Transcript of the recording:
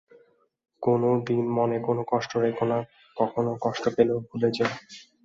কোনো দিন মনে কোনো কষ্ট রেখো না, কখনো কষ্ট পেলেও ভুলে যেয়ো।